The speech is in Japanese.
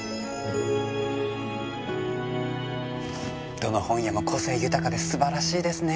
どの本屋も個性豊かですばらしいですね。